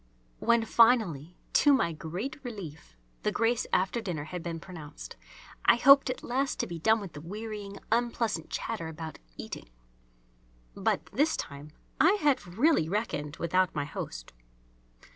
When finally, to my great relief, the grace after dinner had been pronounced, I hoped at last to be done with the wearying, unpleasant chatter about eating. But this time I had really reckoned without my host.